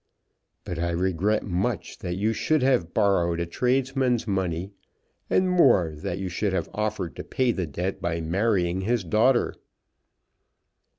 "But I regret much that you should have borrowed a tradesman's money, and more that you should have offered to pay the debt by marrying his daughter."